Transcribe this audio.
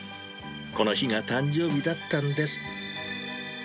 この日が誕生日だったんです。